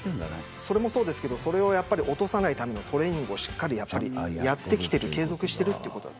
それもそうですがそれを落とさないためのトレーニングをしっかり継続しているということです。